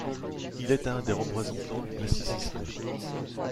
Il est un des représentants du classicisme.